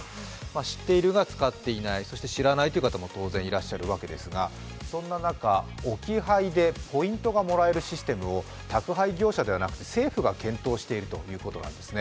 知っているが使っていない、そして知らないという方も当然いるわけですが、そんな中、置き配でポイントがもらえるシステムを宅配業者ではなく政府が検討しているということなんです